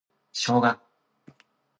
ショウガ